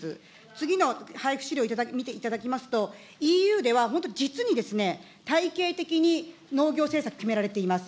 次の配布資料を見ていただきますと、ＥＵでは本当、実に体系的に農業政策、決められています。